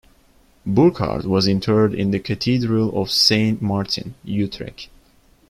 Burchard was interred in the Cathedral of Saint Martin, Utrecht.